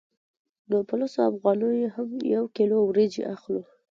نو په لسو افغانیو هم یوه کیلو وریجې اخلو